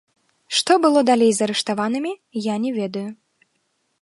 Што было далей з арыштаванымі, я не ведаю.